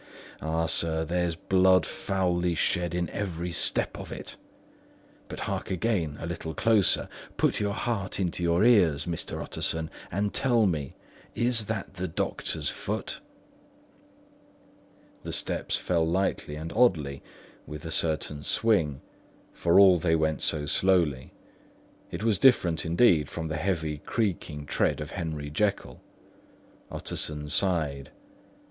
Ah, sir, there's blood foully shed in every step of it! But hark again, a little closer—put your heart in your ears, Mr. Utterson, and tell me, is that the doctor's foot?" The steps fell lightly and oddly, with a certain swing, for all they went so slowly; it was different indeed from the heavy creaking tread of Henry Jekyll. Utterson sighed.